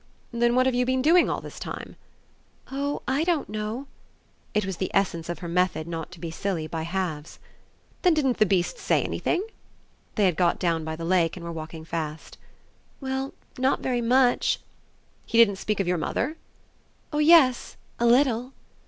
"Then what have you been doing all this time?" "Oh I don't know!" It was of the essence of her method not to be silly by halves. "Then didn't the beast say anything?" They had got down by the lake and were walking fast. "Well, not very much." "He didn't speak of your mother?" "Oh yes, a little!"